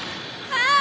ああ！